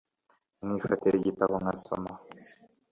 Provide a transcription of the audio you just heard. nkifatira igitabo ngasoma